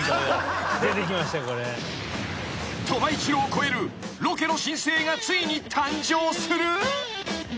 ［鳥羽一郎を超えるロケの新星がついに誕生する？］